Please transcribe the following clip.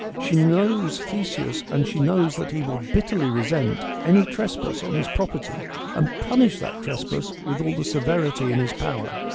She knows Theseus and she knows that he will bitterly resent any trespass on his property and punish that trespass with all the severity in his power.